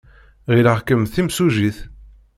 Ɣileɣ-kem d timsujjit.